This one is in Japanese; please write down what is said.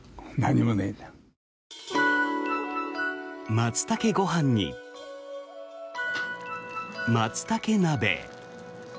マツタケご飯にマツタケ鍋。